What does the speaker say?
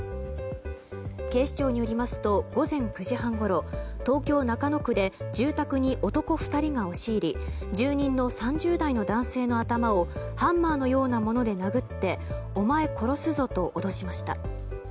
警視庁によりますと午前９時半ごろ東京・中野区で住宅に男２人が押し入り住人の３０代の男性の頭をハンマーのようなもので殴ってお前殺すぞと脅しました。